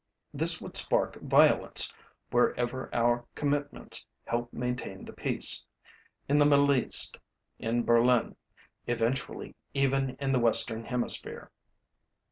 This would spark violence wherever our commitments help maintain the peace in the Middle East, in Berlin, eventually even in the Western Hemisphere.